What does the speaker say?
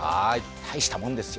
大したもんですよ。